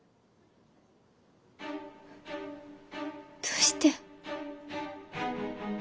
どうして？